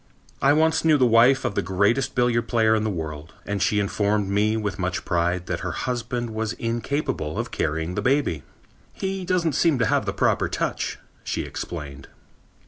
I once knew the wife of the greatest billiard player in the world, and she informed me with much pride that her husband was incapable of carrying the baby. "He doesn't seem to have the proper touch," she explained.